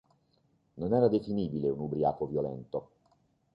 Non era definibile un ubriaco violento.